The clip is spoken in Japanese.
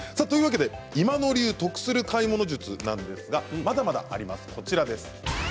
今野流、得する買い物術ですがまだまだあります。